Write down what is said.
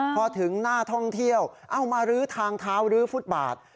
พอถึงหน้าท่องเที่ยวเอามารื้อทางเท้าลื้อฟุตบาท